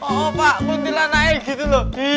oh pak kuntilanaknya gitu loh